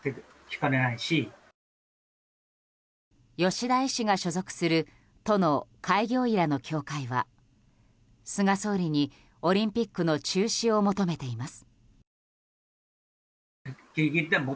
吉田医師が所属する都の開業医らの協会は菅総理にオリンピックの中止を求めています。